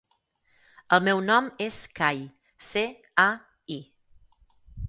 El meu nom és Cai: ce, a, i.